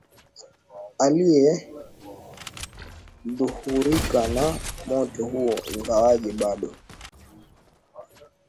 aliye dhuhurika na moto huo ingawaje bado